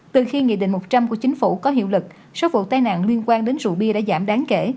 từ khi nghị định một trăm linh của chính phủ có hiệu lực số vụ tai nạn liên quan đến rượu bia đã giảm đáng kể